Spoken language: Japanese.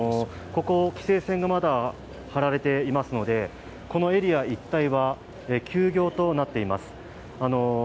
ここ、規制線がまだ張られていますので、このエリア一帯は休業となっています。